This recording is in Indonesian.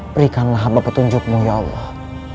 berikanlah apa petunjukmu ya allah